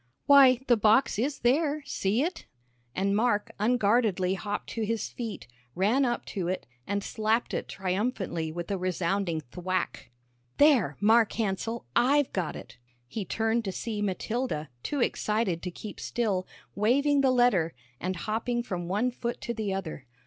"Why, the box is there. See it," and Mark unguardedly hopped to his feet, ran up to it, and slapped it triumphantly with a resounding thwack. "There Mark Hansell, I've got it!" He turned to see Matilda, too excited to keep still, waving the letter, and hopping from one foot to the other.